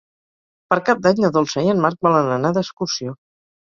Per Cap d'Any na Dolça i en Marc volen anar d'excursió.